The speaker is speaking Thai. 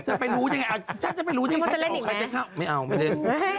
จะไปรู้ได้ไงฉันจะไปรู้ใครจะออกใครจะเข้าไม่เอาไปเล่น